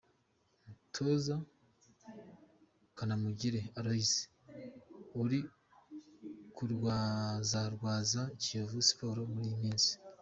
Umutoza Kanamugire Aloys uri kurwazarwaza Kiyovu Sports muri iyi minsi.